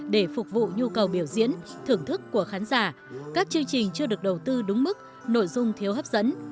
để phục vụ nhu cầu biểu diễn thưởng thức của khán giả các chương trình chưa được đầu tư đúng mức nội dung thiếu hấp dẫn